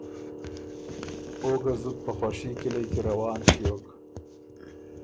او ګۀ زُت په خوشي کِلئ کی روان ݭیوک۔